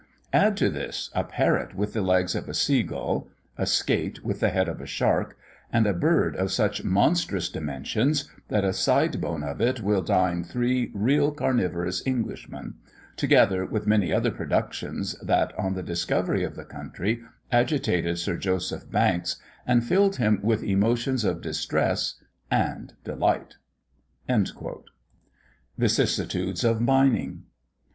Add to this, a parrot with the legs of a sea gull; a skate with the head of a shark; and a bird of such monstrous dimensions, that a side bone of it will dine three real carnivorous Englishmen; together with many other productions that, on the discovery of the country, agitated Sir Joseph Banks, and filled him with emotions of distress and delight." VICISSITUDES OF MINING.